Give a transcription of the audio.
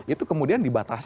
itu kemudian dibatasi